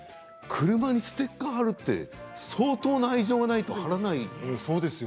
車にステッカーを貼るのは相当な愛情がないと貼らないです